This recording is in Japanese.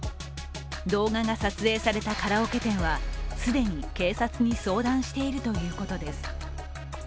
動画が撮影されたカラオケ店は既に警察に相談しているということです。